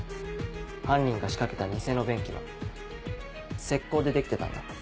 犯人が仕掛けた偽の便器は石膏で出来てたんだ。